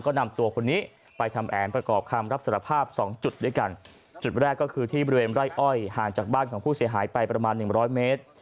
ก็นำตัวคนนี้ไปทำแผนประกอบคำรับสารภาพสองจุดด้วยกันจุดแรกก็คือที่บริเวณไร่อ้อยห่างจากบ้านของผู้เสียหายไปประมาณหนึ่งร้อยเมตร